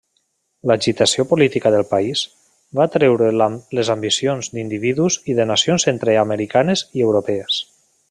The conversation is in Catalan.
L'agitació política del país, va atreure les ambicions d'individus i de nacions centreamericanes i europees.